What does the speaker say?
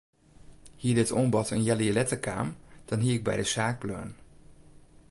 Hie dit oanbod in healjier letter kaam dan hie ik yn de saak bleaun.